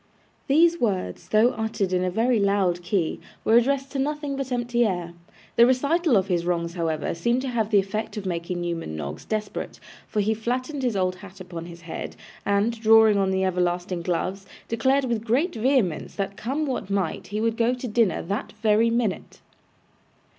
These words, though uttered in a very loud key, were addressed to nothing but empty air. The recital of his wrongs, however, seemed to have the effect of making Newman Noggs desperate; for he flattened his old hat upon his head, and drawing on the everlasting gloves, declared with great vehemence, that come what might, he would go to dinner that very minute.